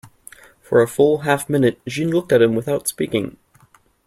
For a full half minute Jeanne looked at him without speaking.